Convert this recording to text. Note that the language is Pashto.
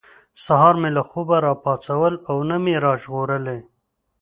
سهار مې له خوبه را پاڅول او نه مې را ژغورلي.